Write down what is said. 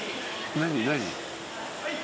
何？」